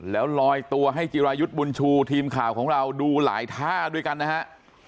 แล้วลอยตัวให้จิรายุทธ์บุญชูทีมข่าวของเราดูหลายท่าด้วยกันนะฮะ